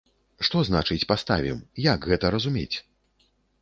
Што значыць паставім, як гэта разумець?